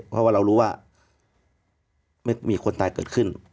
เพราะว่าเรารู้ว่าไม่มีคนตายเกิดขึ้น